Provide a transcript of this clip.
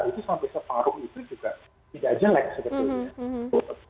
itu sampai separuh itu juga tidak jelek sebetulnya